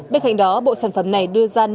bên cạnh đó bộ sản phẩm này đưa ra